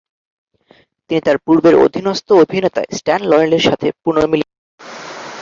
তিনি তার পূর্বের অধীনস্থ অভিনেতা স্ট্যান লরেলের সাথে পুনর্মিলিত হন।